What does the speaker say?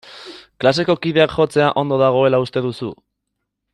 Klaseko kideak jotzea ondo dagoela uste duzu?